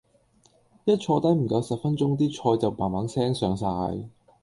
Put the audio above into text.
一坐低唔夠十分鐘啲菜就砰砰聲上晒